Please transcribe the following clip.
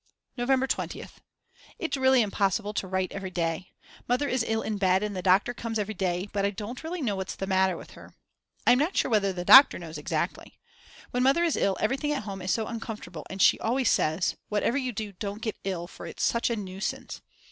November 20th. It's really impossible to write every day. Mother is ill in bed and the doctor comes every day, but I don't really know what's the matter with her. I'm not sure whether the doctor knows exactly. When Mother is ill everything at home is so uncomfortable and she always says: Whatever you do don't get ill, for it's such a nuisance.